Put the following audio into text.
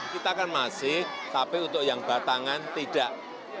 kita kan masih tapi untuk yang batangan tidak